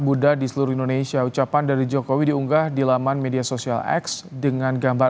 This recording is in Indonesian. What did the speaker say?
buddha di seluruh indonesia ucapan dari jokowi diunggah di laman media sosial x dengan gambar